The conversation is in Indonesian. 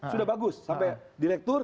sudah bagus sampai direktur